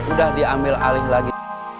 udah diambil alih lagi